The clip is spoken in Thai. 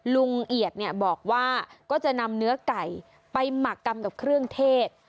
ลุงเอียดบอกว่าก็จะนำเนื้อไก่ไปหมักกับเครื่องเทศ